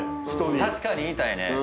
確かに言いたいね。